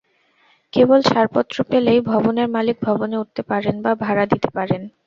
কেবল ছাড়পত্র পেলেই ভবনের মালিক ভবনে উঠতে পারেন বা ভাড়া দিতে পারেন।